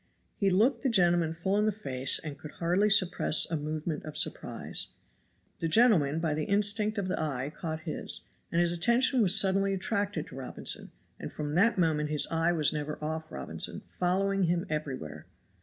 He looked the gentleman full in the face and could hardly suppress a movement of surprise. The gentleman by the instinct of the eye caught his, and his attention was suddenly attracted to Robinson, and from that moment his eye was never off Robinson, following him everywhere.